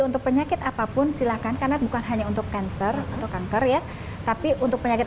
untuk penyakit apapun silahkan karena bukan hanya untuk cancer atau kanker ya tapi untuk penyakit